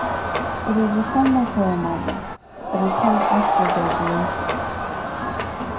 It is a formal ceremony, it is held after graduation.